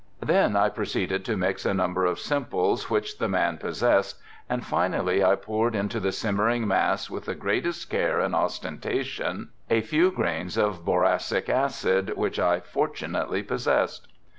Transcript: Then I proceeded to mix a number of simples, which the man possessed, and finally I poured into the simmering mass, with the greatest care and ostentation, a few grains of borasic acid, which I fortunately possessed.